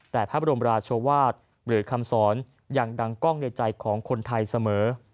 แต่พระบรมราชวาสหรือคำสอนยังดังกล้องในใจของคนไทยเสมอ